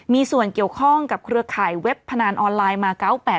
มีส่วนเกี่ยวข้องกับเครือข่ายเว็บพนันออนไลน์มา๙๘๘